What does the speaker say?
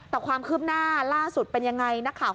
แต่ความคืบหน้าล่าสุดเป็นยังไงนักข่าว